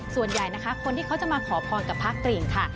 ส่วนใหญ่นะคะคนที่เขาจะมาขอพรกับพระกริ่งค่ะ